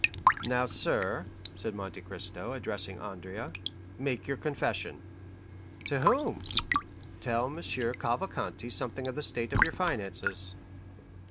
"Now, sir," said Monte Cristo, addressing Andrea, "make your confession." "To whom?" "Tell M. Cavalcanti something of the state of your finances."